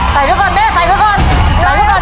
ใส่เผื่อก่อนเบะใส่เผื่อก่อน